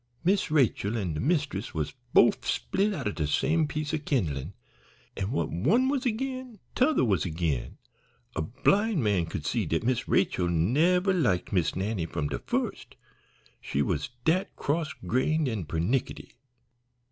Miss Rachel an' de mist'ess was bofe split out o' de same piece o' kindlin', an' what one was agin t' other was agin a blind man could see dat Miss Rachel never liked Miss Nannie from de fust, she was dat cross grained and pernicketty.